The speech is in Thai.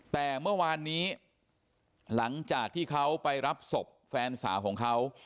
แต่เมื่อวานนี้หลังจากที่เขาไปรับศพแฟนสาวของเขา